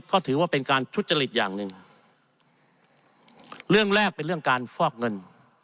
ก็ถือว่าเป็นการทุจริตอย่างหนึ่งเรื่องแรกเป็นเรื่องการฟอกเงิน